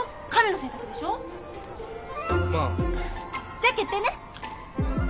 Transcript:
じゃ決定ね。